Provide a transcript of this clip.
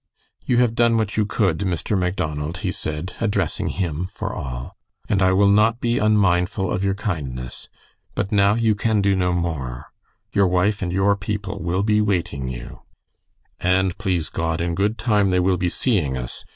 "You have done what you could, Mr. Macdonald," he said, addressing him for all, "and I will not be unmindful of your kindness. But now you can do no more. Your wife and your people will be waiting you." "And, please God, in good time they will be seeing us.